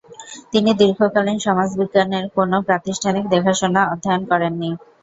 তিনি দীর্ঘকালীন সমাজবিজ্ঞানের কোনও প্রাতিষ্ঠানিক দেখাশোনা অধ্যয়ন করেননি।